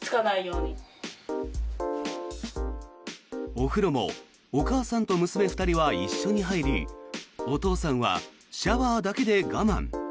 お風呂もお母さんと娘２人は一緒に入りお父さんはシャワーだけで我慢。